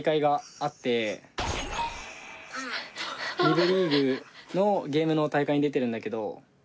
２部リーグのゲームの大会に出てるんだけど。